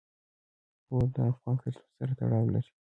هوا د افغان کلتور سره تړاو لري.